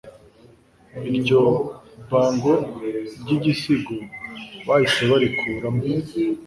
Iryo bango ry'igisigo bahise barikura mwo.